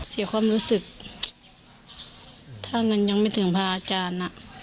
เสียความรู้สึกถ้าเงินยังไม่ถึงพระอาจารย์อ่ะ